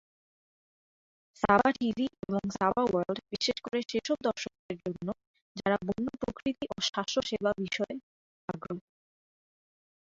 সাবা TV এবং Saba World বিশেষ করে সেসব দর্শকদের জন্য যারা বন্য প্রকৃতি ও স্বাস্থ্যসেবা বিষয়ে আগ্রহী।